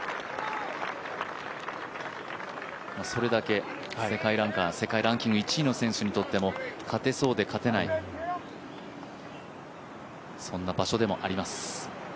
それだけ世界ランキング１位の選手にとっても勝てそうで勝てない、そんな場所でもあります。